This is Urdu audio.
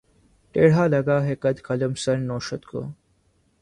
ٹیڑھا لگا ہے قط‘ قلمِ سر نوشت کو